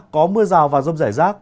có mưa rào và rông rải rác